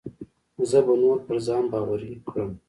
زه به نور پر ځان باوري کړم.